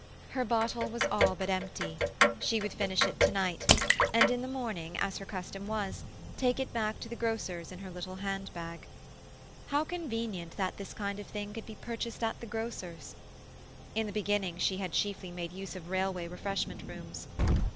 Her bottle was all but empty; she would finish it to night, and in the morning, as her custom was, take it back to the grocer's in her little hand bag. How convenient that this kind of thing could be purchased at the grocer's! In the beginning she had chiefly made use of railway refreshment rooms.